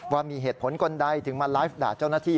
ว่ามีเหตุผลคนใดถึงมาไลฟ์ด่าเจ้าหน้าที่